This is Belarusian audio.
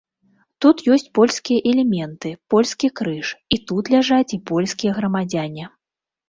Тут ёсць польскія элементы, польскі крыж, і тут ляжаць і польскія грамадзяне.